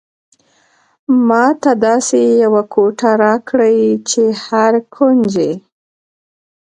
ماته داسې یوه کوټه راکړئ چې هر کونج یې.